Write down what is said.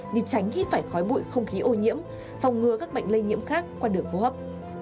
như tránh hít phải khói bụi không khí ô nhiễm phòng ngừa các bệnh lây nhiễm khác qua đường hô hấp